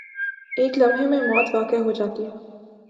ایک لمحے میں موت واقع ہو جاتی ہے۔